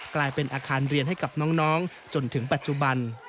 กลายเป็นอาคารเรียนให้กับน้องจนถึงปัจจุบัน